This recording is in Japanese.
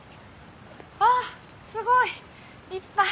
あすごい！いっぱい！